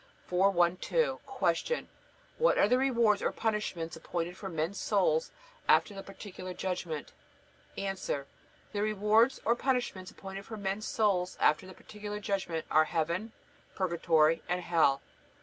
412. Q. What are the rewards or punishments appointed for men's souls after the Particular Judgment? A. The rewards or punishments appointed for men's souls after the Particular Judgment are Heaven, Purgatory, and Hell.